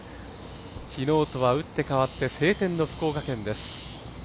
昨日とは打って変わって、晴天の福岡県です。